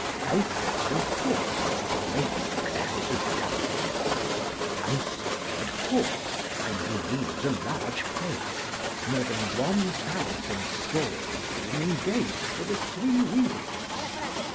Belfast and Cork, as great successes as Dublin. Fancy, at Cork (by no means a large place) more than 1,000 stalls being engaged for the three readings.